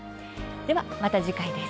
ではまた次回です。